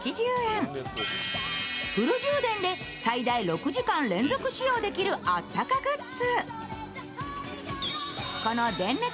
フル充電で最大６時間連続使用できるあったかグッズ。